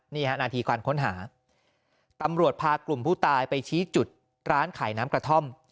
นาทีการค้นหาตำรวจพากลุ่มผู้ตายไปชี้จุดร้านขายน้ำกระท่อม